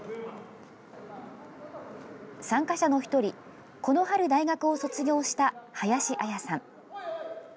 参加者の１人この春、大学を卒業した林あやさん。